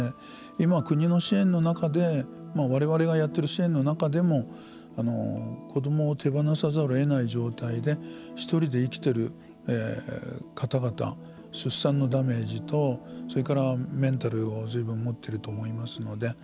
今、国の支援の中でわれわれがやっている支援の中でも子どもを手放さざるを得ない状態で一人で生きてる方々出産のダメージとそれからメンタルをずいぶん持っていると思いますので。